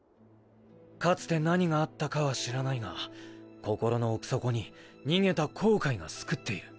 かつて何があったかは知らないが心の奥底に逃げた後悔が巣くっている。